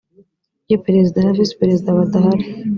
iyo perezida na visi perezida badahari